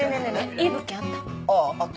いい物件あった？